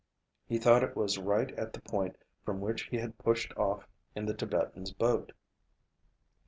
He thought it was right at the point from which he had pushed off in the Tibetan's boat.